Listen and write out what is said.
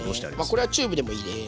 これはチューブでもいいです。